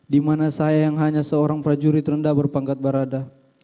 dimana saya yang hanya seorang prajurit rendah berpangkat berada